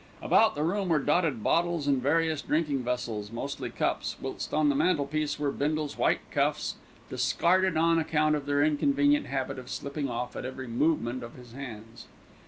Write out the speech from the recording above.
About the room were dotted bottles and various drinking vessels, mostly cups, whilst on the mantelpiece were Bindle's white cuffs, discarded on account of their inconvenient habit of slipping off at every movement of his hands.